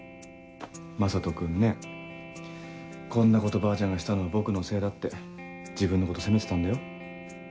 聖人君ねこんなことばあちゃんがしたのは僕のせいだって自分のこと責めてたんだよ。